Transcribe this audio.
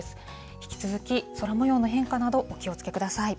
引き続き空もようの変化などお気をつけください。